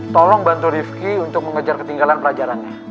tolong bantu rifki untuk mengajar ketinggalan pelajarannya